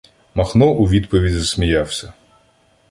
Махно у відповідь засміявся: